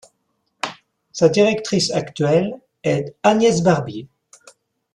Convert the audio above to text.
Sa directrice actuelle est Agnès Barbier.